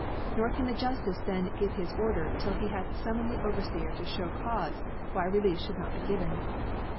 Nor can the Ju (lice then give hisOrder, till he hath fummoned cheOver fcers to (hew caufe why Relief ihould hoc be given.